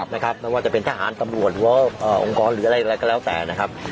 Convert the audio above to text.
ไม่ว่าจะเป็นทหารตำรวจหรือว่าองค์กรหรืออะไรก็แล้วแต่นะครับ